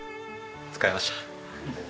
疲れました。